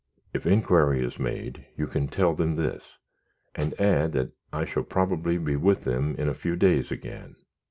If inquiry is made, you can tell them this, and add that I shall probably be with them in a few days again.